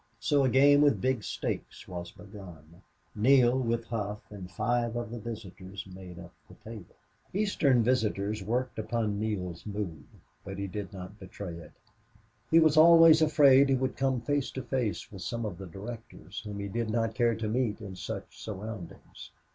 So a game with big stakes was begun. Neale, with Hough and five of the visitors, made up the table. Eastern visitors worked upon Neale's mood, but he did not betray it. He was always afraid he would come face to face with some of the directors, whom he did not care to meet in such surroundings.